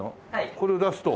これを出すと。